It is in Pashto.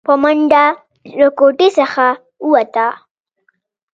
په منډه له کوټې څخه ووته.